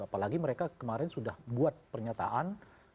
apalagi mereka kemarin sudah buat pernyataan